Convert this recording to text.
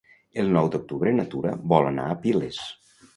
El nou d'octubre na Tura vol anar a Piles.